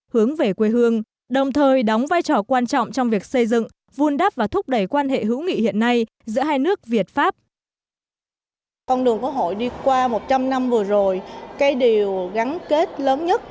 hướng về quê hương đồng thời đóng vai trò quan trọng trong việc xây dựng vun đắp và thúc đẩy quan hệ hữu nghị hiện nay giữa hai nước việt pháp